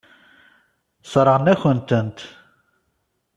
Sseṛɣen-akent-tent.